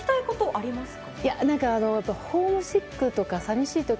ありますか？